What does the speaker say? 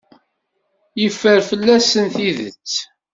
Yeffer fell-asen tidet.